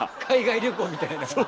海外旅行みたいな？